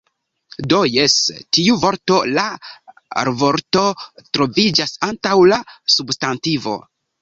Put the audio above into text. Do jes. Tiu vorto, la rolvorto troviĝas antaŭ la substantivo